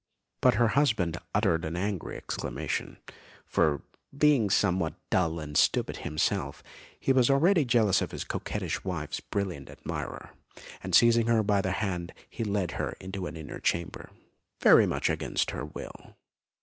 But her husband uttered an angry exclamation, for, being somewhat dull and stupid himself, he was already jealous of his coquettish wife's brilliant admirer; and seizing her by the hand, he led her into an inner chamber, very much against her will.